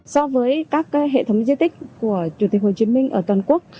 so với các hệ thống di tích của chủ tịch hồ chí minh ở toàn quốc